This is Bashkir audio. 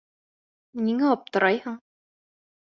Ниңә аптырайһың?